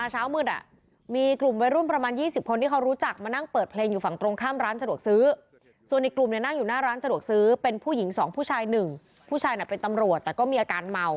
หลังตรงข้ามถนนนะพี่หุยท้าทายกันอ่ะ